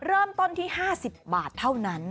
เริ่มต้นที่๕๐บาทเท่านั้น